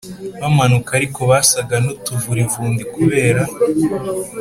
bamanuka ariko basaga nutuvurivundi kubera